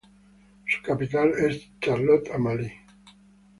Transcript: Su capital es Charlotte Amalie.